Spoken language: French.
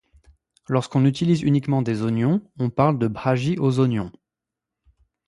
Lorsqu'on utilise uniquement des oignons, on parle de bhajji aux oignons.